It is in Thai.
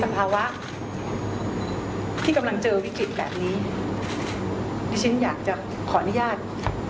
ภาวะที่กำลังเจอวิกฤตแบบนี้ดิฉันอยากจะขออนุญาต